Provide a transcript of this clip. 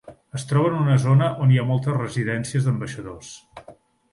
Es troba en una zona on hi ha moltes residències d'ambaixadors.